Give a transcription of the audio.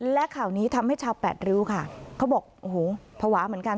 และข่าวนี้ทำให้ชาวแปดริ้วค่ะเขาบอกโอ้โหภาวะเหมือนกัน